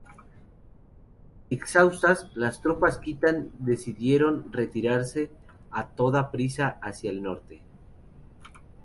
Exhaustas, las tropas kitán decidieron retirarse a toda prisa hacia el norte.